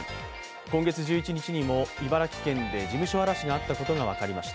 今月１１日にも茨城県で事務所荒らしがあったことが分かりました。